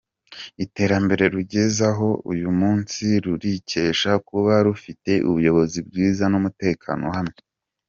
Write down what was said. Iterambere rugezeho uyu munsi rurikesha kuba rufite Ubuyobozi bwiza n’umutekano uhamye.